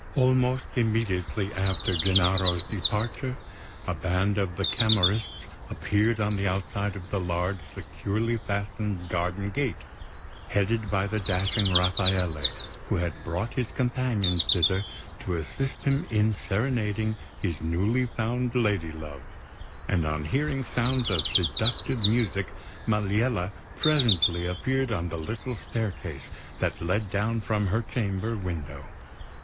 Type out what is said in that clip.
Almost immediately after Gennaro's departure, a band of the Camorrists appeared on the outside of the large, securely fastened garden gate, headed by the dashing Rafaele, who had brought his companions thither to assist him in serenading his newly found lady love; and on hearing sounds of seductive music, Maliella presently appeared on the little staircase that led down from her chamber window.